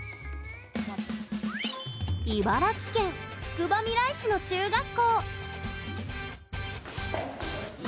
茨城県つくばみらい市の中学校。